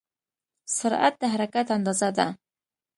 سرعت د حرکت اندازه ده.